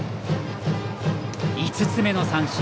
５つ目の三振。